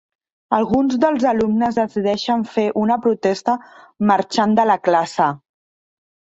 Alguns dels alumnes decideixen fer una protesta marxant de la classe.